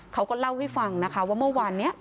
เขาก็เล่าให้ฟังนะคะว่าเมื่อวานนี้